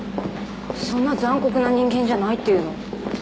そんな残酷な人間じゃないって言うの？